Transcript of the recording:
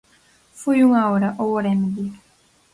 Foi unha hora, ou hora e media.